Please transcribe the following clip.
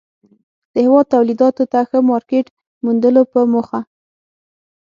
د هېواد توليداتو ته ښه مارکيټ موندلو په موخه